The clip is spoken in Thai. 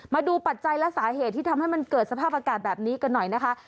ปัจจัยและสาเหตุที่ทำให้มันเกิดสภาพอากาศแบบนี้กันหน่อยนะคะ